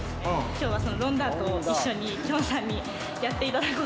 今日はそのロンダートを一緒にきょんさんにやって頂こうかなと思って。